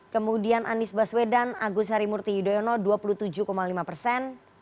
kemudian anies baswedan agus harimurti yudhoyono dua puluh tujuh lima persen